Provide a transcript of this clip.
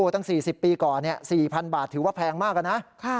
ตั้ง๔๐ปีก่อน๔๐๐บาทถือว่าแพงมากนะ